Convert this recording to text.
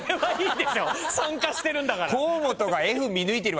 参加してるんだから。